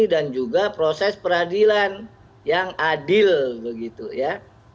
dan juga proses peradilan yang adil begitu ya